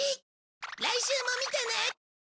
来週も見てね！